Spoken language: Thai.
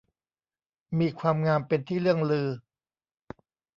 มีความงามเป็นที่เลื่องลือ